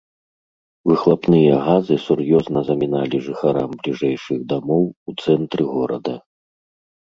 Выхлапныя газы сур'ёзна заміналі жыхарам бліжэйшых дамоў у цэнтры горада.